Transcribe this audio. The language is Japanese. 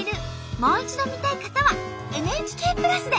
もう一度見たい方はＮＨＫプラスで。